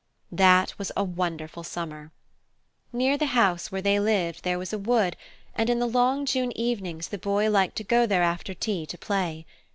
That was a wonderful Summer! Near the house where they lived there was a wood, and in the long June evenings the Boy liked to go there after tea to play.